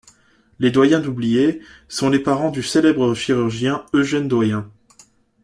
Les Doyen-Doublié sont les parents du célèbre chirurgien Eugène Doyen.